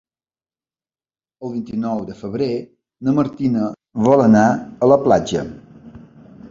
El vint-i-nou de febrer na Martina vol anar a la platja.